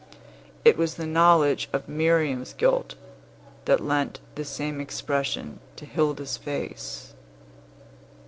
It was the knowledge of Miriam's guilt that lent the same expression to Hilda's face.